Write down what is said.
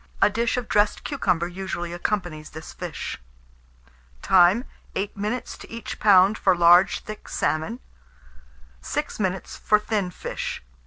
A dish of dressed cucumber usually accompanies this fish. Time. 8 minutes to each lb. for large thick salmon; 6 minutes for thin fish.